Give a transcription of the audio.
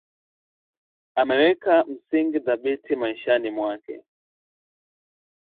Ameweka msingi dhabiti maishani mwake